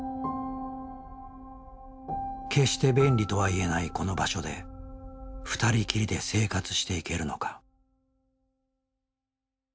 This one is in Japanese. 決して便利とは言えないこの場所で二人きりで生活していけるのか。